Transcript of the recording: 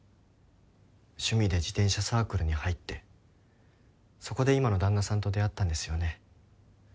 趣味で自転車サークルに入ってそこで今の旦那さんと出会ったんですよね。